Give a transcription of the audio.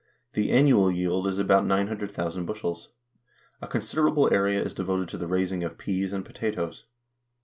The annual yield is about 900,000 bushels. A considerable area is devoted to the raising of pease and potatoes.